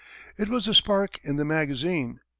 It was the spark in the magazine.